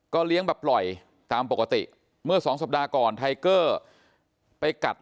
เลี้ยงแบบปล่อยตามปกติเมื่อสองสัปดาห์ก่อนไทเกอร์ไปกัด